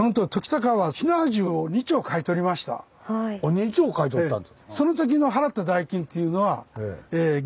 ２丁買い取ったんですか。